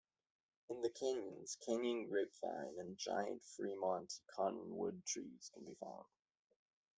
In the canyons, canyon grapevine and giant Fremont cottonwood trees can be found.